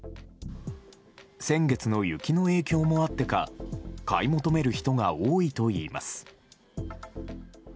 先月の雪の影響もあってか、買い求める人が多いといいます。